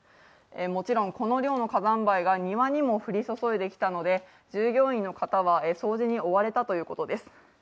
もちろん、この量の火山灰が庭にも降り注いできたので従業員の方は掃除に追われたということです。